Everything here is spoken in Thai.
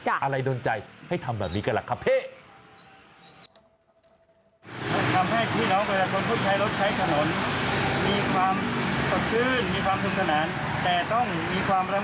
อะไรโดนใจให้ทำแบบนี้กันล่ะครับพี่